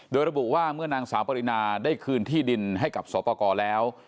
โดยระบุว่าเมื่อนางสาวปรินาได้คืนที่ดินให้กับสอปกรแล้ว